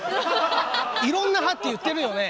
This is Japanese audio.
いろんな派って言ってるよね？